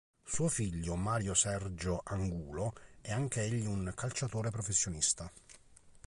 Suo figlio Mario Sergio Angulo è anch'egli un calciatore professionista.